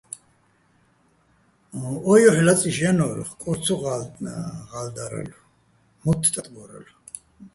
ო ჲოჰ̦ ლაწი́შ ჲანო́რ, ხკორ ცო ღა́ლდარალო̆, მოთთ ტატბო́რალო̆.